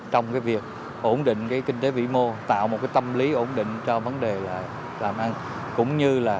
trong cái việc ổn định cái kinh tế vĩ mô tạo một cái tâm lý ổn định cho vấn đề là cũng như là